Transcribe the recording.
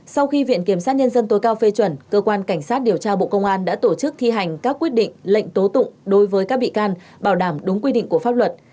sau khi viện kiểm sát nhân dân tối cao phê chuẩn cơ quan cảnh sát điều tra bộ công an đã tổ chức thi hành các quyết định lệnh tố tụng đối với các bị can bảo đảm đúng quy định của pháp luật